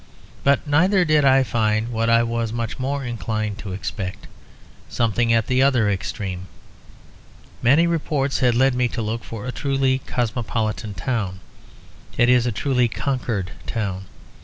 But neither did I find what I was much more inclined to expect; something at the other extreme. Many reports had led me to look for a truly cosmopolitan town, that is a truly conquered town.